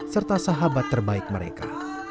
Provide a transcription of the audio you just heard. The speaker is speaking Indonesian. serta sahabat terbaik mereka